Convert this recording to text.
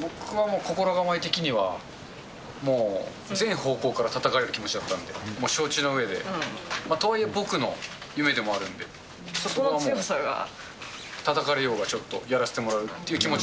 僕は心構え的には、もう全方向からたたかれる気持だったんで、もう承知のうえで、とはいえ僕の夢でもあるんで。そこはもう、たたかれようがちょっとやらせてもらうっていう気持